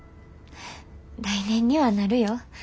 来年にはなるよ。